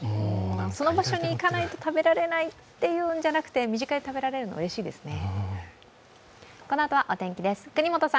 その場所に行かないと食べられないっていうのじゃなくて身近に食べられるのはうれしいですね。